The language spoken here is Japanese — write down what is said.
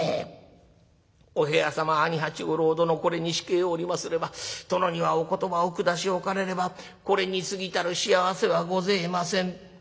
お部屋様兄八五郎殿これに控えおりますれば殿にはお言葉お下しおかれればこれにすぎたる幸せはごぜえません」。